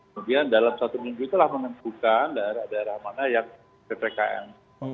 kemudian dalam satu minggu itulah menentukan daerah daerah mana yang ppkm